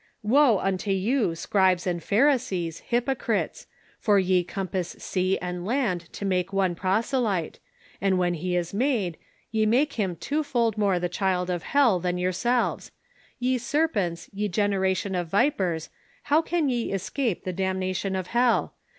TVo unto you scribes and pharisees, hypocrites ! for ye compass sea and land to make one proselyte ; and when he is made, ye make him twofold more the cliild of hell tlian yourselves. Ye serpents, ye generation of vi})ers, how can ye escape the damnation of hell